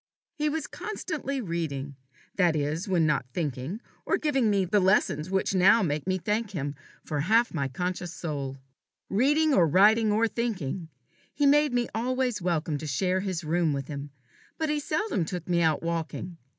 He was constantly reading that is, when not thinking, or giving me the lessons which make me now thank him for half my conscious soul. Reading or writing or thinking, he made me always welcome to share his room with him; but he seldom took me out walking.